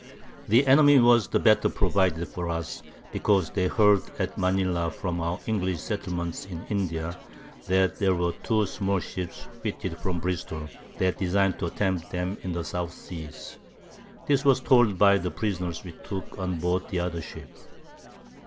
The Enemy was the better provided for us, because they heard at Manila from our English Settlements in India, that there were 2 small Ships fitted from Bristol, that design'd to attempt them in the South Seas. This was told us by the Prisoners we took on board the other Ship.